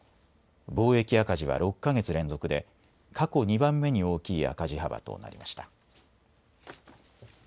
貿易赤字は６か月連続で過去２番目に大きい赤字幅となりました。